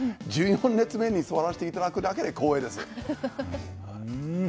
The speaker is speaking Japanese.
１４列目に座らせていただくだけで光栄です。